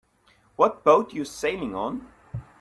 What boat you sailing on?